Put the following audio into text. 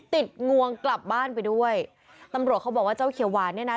งวงกลับบ้านไปด้วยตำรวจเขาบอกว่าเจ้าเขียวหวานเนี่ยนะ